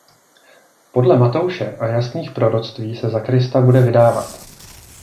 Podle Matouše a jasných proroctví se za Krista bude vydávat.